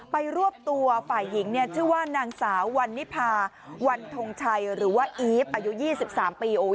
ไปรวบตัวฝ่ายหญิงชื่อว่านางสาววันนิพาวันทงไชอีฟอายุ๒๓ปี